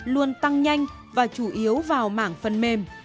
luôn tăng nhanh và chủ yếu vào mảng phần mềm